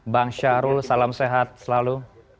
bang syahrul salam sehat selalu